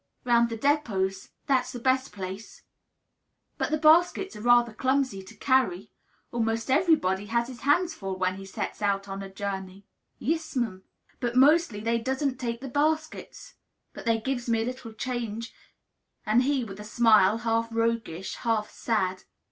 "Round the depots. That's the best place." "But the baskets are rather clumsy to carry. Almost everybody has his hands full, when he sets out on a journey." "Yis'm; but mostly they doesn't take the baskets. But they gives me a little change," said he, with a smile; half roguish, half sad.